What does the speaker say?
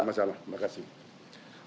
tidak masalah terima kasih